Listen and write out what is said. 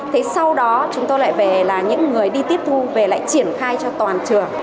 thế sau đó chúng tôi lại về là những người đi tiếp thu về lại triển khai cho toàn trường